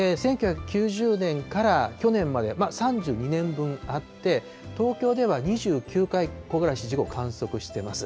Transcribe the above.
１９９０年から去年まで３２年分あって、東京では２９回、木枯らし１号観測してます。